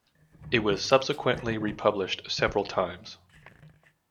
It was subsequently republished several times.